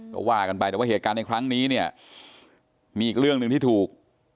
ก็ว่ากันไปแต่ว่าเหตุการณ์ในครั้งนี้เนี่ยมีอีกเรื่องหนึ่งที่ถูก